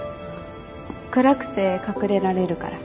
暗くて隠れられるから。